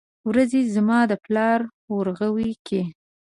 ورځې زما دپلار ورغوو کې